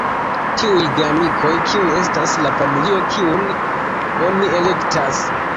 Tiuj geamikoj kiuj estas la familio kiun oni elektas.